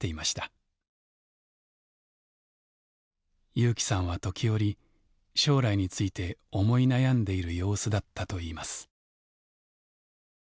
有希さんは時折将来について思い悩んでいる様子だったといいます。